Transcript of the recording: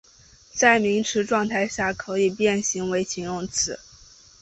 在名词状态下可以变形为形容词。